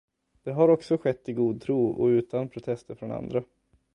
Det har också skett i god tro och utan protester från andra.